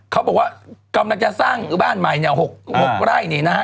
เขาบอกว่ากำลังจะสร้างบ้านใหม่เนี่ย๖ไร่นี่นะฮะ